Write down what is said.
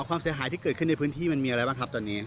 ความเสียหายที่เกิดขึ้นในพื้นที่มันมีอะไรบ้างครับตอนนี้